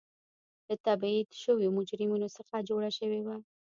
له تبعید شویو مجرمینو څخه جوړه شوې وه.